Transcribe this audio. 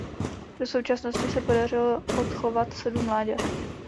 Do současnosti se podařilo odchovat sedm mláďat.